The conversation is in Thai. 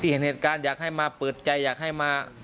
เห็นเหตุการณ์อยากให้มาเปิดใจอยากให้มา